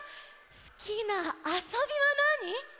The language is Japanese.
すきなあそびはなに？